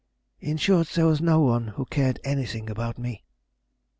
In short, there was no one who cared anything about me."